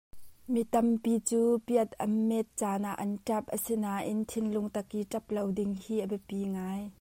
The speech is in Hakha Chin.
Mi tampi cu piat an met caan ah an ṭap, a sinain thinlung tak in ṭap lo ding hi a biapi ngai.